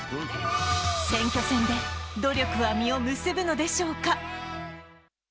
選挙戦で、努力は実を結ぶのでしょうか。